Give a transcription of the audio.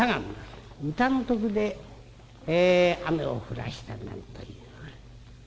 歌の徳で雨を降らしたなんというぐらい。